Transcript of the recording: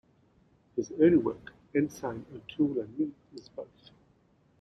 His early work, "Ensign O'Toole and Me" is both.